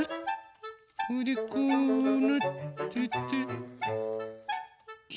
それでこうなってて。